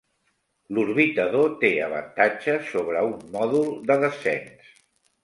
L'orbitador té avantatges sobre un mòdul de descens.